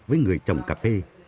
với người trồng cà phê